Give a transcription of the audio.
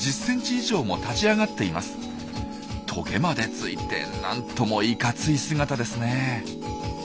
トゲまでついてなんともいかつい姿ですね。